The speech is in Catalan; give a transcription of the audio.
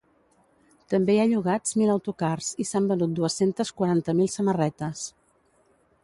També hi ha llogats mil autocars i s’han venut dues-centes quaranta mil samarretes.